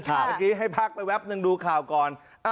เมื่อกี้ให้พักไปแป๊บนึงดูข่าวก่อน